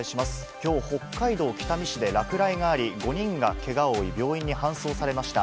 きょう、北海道北見市で落雷があり、５人がけがを負い、病院に搬送されました。